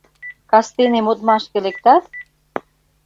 Кастене модмашке лектат?